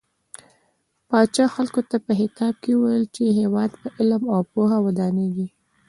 پاچا خلکو ته په خطاب کې وويل چې هيواد په علم او پوهه ودانيږي .